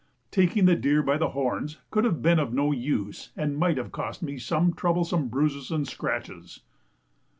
Taking the deer by the horns could have been of no use, and might have cost me some troublesome bruises and scratches.